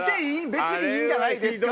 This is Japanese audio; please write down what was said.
「別にいいんじゃないですか」